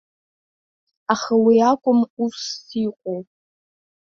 Аха уи акәым усыс иҟоу.